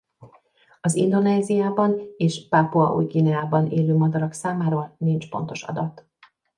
Az Indonéziában és Pápua Új-Guineában élő madarak számáról nincs pontos adat.